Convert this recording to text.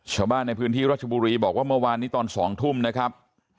ชาวบ้านในพื้นที่รัชบุรีบอกว่าเมื่อวานนี้ตอน๒ทุ่มนะครับ